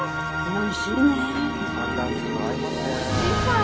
おいしい。